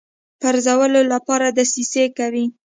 پرزولو لپاره دسیسې کوي.